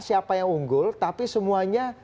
siapa yang unggul tapi semuanya